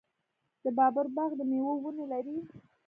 د بابر باغ د میوو ونې لري.